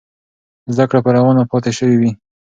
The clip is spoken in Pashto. زده کړه به روانه پاتې سوې وي.